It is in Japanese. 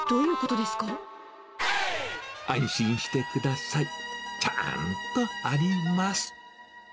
安心してください、ちゃーんとあります。